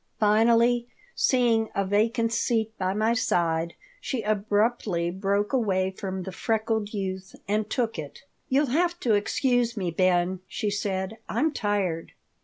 Finally, seeing a vacant seat by my side, she abruptly broke away from the freckled youth and took it "You'll have to excuse me, Ben," she said. "I'm tired."